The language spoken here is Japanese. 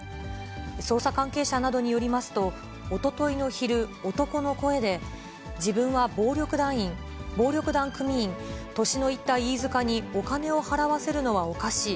捜査関係者などによりますと、おとといの昼、男の声で、自分は暴力団組員、年のいった飯塚にお金を払わせるのはおかしい。